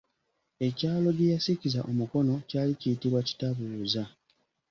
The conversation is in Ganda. Ekyalo gye yakisiza omukono kyali kiyitibwa Kitabuuza.